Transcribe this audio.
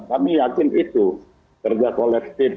kami yakin itu kerja kolektif